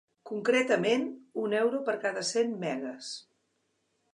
Concretament, un euro per cada cent megues.